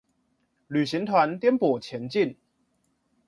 旅行團顛簸前進